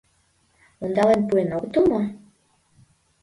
Ондален пуэн огытыл мо?